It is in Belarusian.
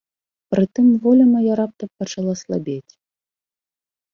Прытым воля мая раптам пачала слабець.